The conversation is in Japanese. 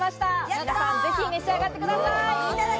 みなさん、ぜひ召し上がってください。